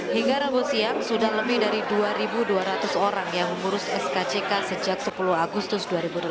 hingga rabu siang sudah lebih dari dua dua ratus orang yang mengurus skck sejak sepuluh agustus dua ribu delapan belas